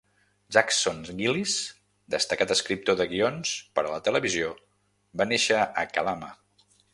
Jackson Gillis, destacat escriptor de guions per a la televisió, va néixer a Kalama.